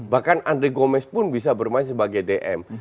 bahkan andre gomez pun bisa bermain sebagai dm